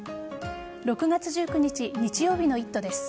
６月１９日日曜日の「イット！」です。